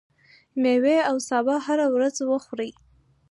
ميوې او سابه هره ورځ وخورئ.